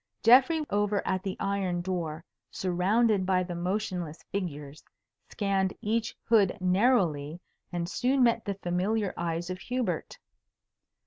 Geoffrey over at the iron door, surrounded by the motionless figures, scanned each hood narrowly and soon met the familiar eyes of Hubert.